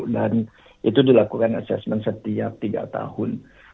dan itu dilakukan assessment setiap tiga tahun